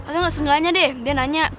tau gak sengaja deh dia nanya